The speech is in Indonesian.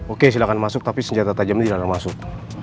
oke silahkan masuk tapi senjata tajamnya silahkan masuk